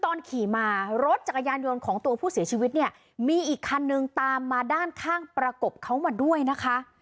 ตอนขี่มารถจักรยานยนต์ของตัวผู้เสียชีวิตเนี่ยมีอีกคันนึงตามมาด้านข้างประกบเขามาด้วยนะคะ